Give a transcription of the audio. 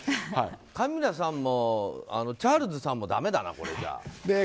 カミラさんもチャールズさんもだめだな、これじゃ。